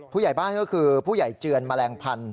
ผู้ใหญ่บ้านก็คือผู้ใหญ่เจือนแมลงพันธ